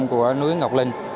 của núi ngọc linh